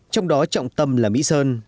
trong đó trọng tâm là mỹ sơn